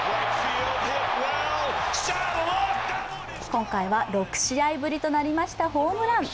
今回は６試合ぶりとなりましたホームラン。